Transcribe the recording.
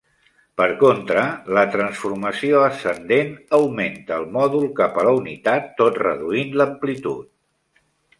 Per contra, la transformació ascendent augmenta el mòdul cap a la unitat, tot reduint l'amplitud.